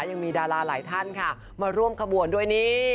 ยังมีดาราหลายท่านค่ะมาร่วมขบวนด้วยนี่